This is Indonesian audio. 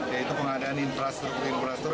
yaitu pengadaan infrastruktur infrastruktur